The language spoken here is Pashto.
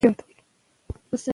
زده کړې نجونې ستونزې ښه پېژني.